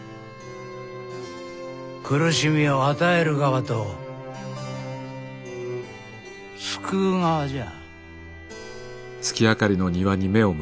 苦しみを与える側と救う側じゃ。